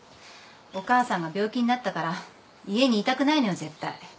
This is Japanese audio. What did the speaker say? お母さんが病気になったから家にいたくないのよ絶対。